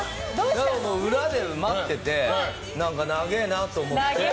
裏で待っててなげーなと思って。